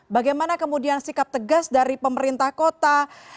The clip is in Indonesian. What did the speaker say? bagaimana kemudian sikap tegas dari pemerintah kota